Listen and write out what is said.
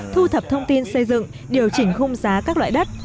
thu thập thông tin xây dựng điều chỉnh khung giá các loại đất